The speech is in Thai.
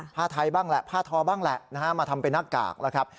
ผ้าไทยบ้างแหละผ้าทอบ้างแหละนะฮะมาทำเป็นหน้ากากนะครับ